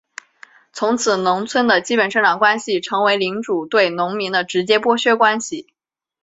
从此农村的基本生产关系成为领主对农民的直接剥削关系。